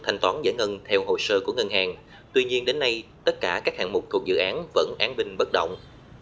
thành toán giải ngân theo hồ sơ của ngân hàng tuy nhiên đến nay tất cả các hạng mục của dự án vẫn an binh bất động